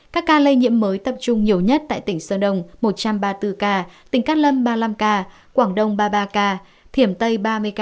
các ca lây nhiễm mới tập trung nhiều nhất tại tỉnh sơn đông tỉnh cát lâm quảng đông thiểm tây